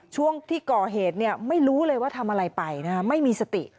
ช่วงที่ก่อเหตุไม่รู้เลยว่าทำอะไรไปไม่มีสติ